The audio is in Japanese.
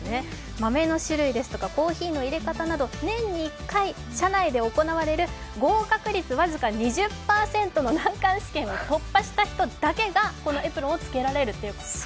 豆の種類ですとかコーヒーの入れ方など年に１回社内で行われる合格率僅か２０％の難関試験を突破した人だけがこのエプロンを着けられるということです。